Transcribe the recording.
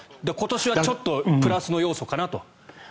今年はちょっとプラスの要素かなと。